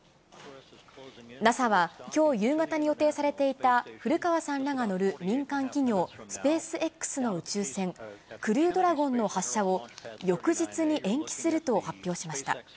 ＮＡＳＡはきょう夕方に予定されていた古川さんらが乗る民間企業、スペースＸの宇宙船、クルードラゴンの発射を翌日に延期すると発表しました。